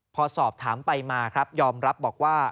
พอสอบถามไปมาครับยอมรับบอกว่า